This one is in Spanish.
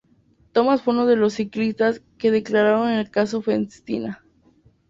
Thomas fue uno de los ciclistas que declararon en el Caso Festina.